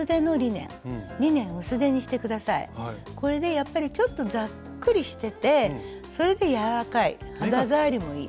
やっぱりちょっとザックリしててそれで柔らかい肌触りもいい。